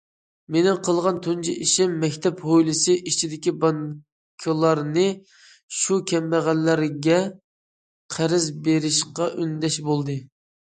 مېنىڭ قىلغان تۇنجى ئىشىم: مەكتەپ ھويلىسى ئىچىدىكى بانكىلارنى شۇ كەمبەغەللەرگە قەرز بېرىشقا ئۈندەش بولدى.